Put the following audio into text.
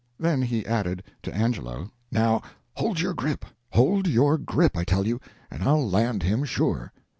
Then he added to Angelo, "Now hold your grip, hold your grip, I tell you, and I'll land him sure!"